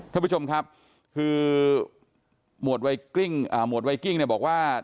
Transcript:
ท่านผู้ชมครับคือหมวดิ้งหมวดไวกิ้งเนี่ยบอกว่า